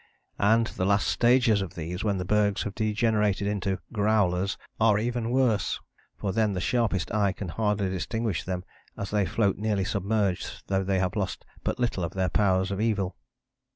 And the last stages of these, when the bergs have degenerated into 'growlers,' are even worse, for then the sharpest eye can hardly distinguish them as they float nearly submerged though they have lost but little of their powers of evil.